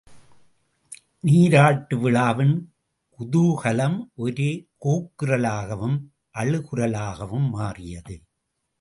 நீராட்டு விழாவின் குதூகலம் ஒரே கூக்குரலாகவும் அழுகுரலாகவும் மாறியது.